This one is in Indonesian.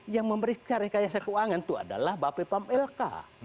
yang memeriksa rekayasa keuangan itu adalah bapak ibu lk